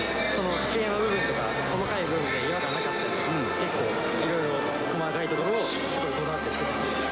地形の部分とか、細かい部分は、岩がなかったりとか、結構いろいろ、細かいところをすごいこだわって作ってます。